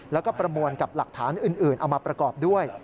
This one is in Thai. แล้วก็ประมวลกับหลักฐานอื่นเอามาประกอบด้วย